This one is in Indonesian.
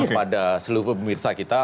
pada seluruh pemirsa kita